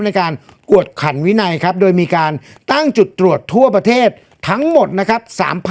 ในการกวดขันวินัยครับโดยมีการตั้งจุดตรวจทั่วประเทศทั้งหมดนะครับ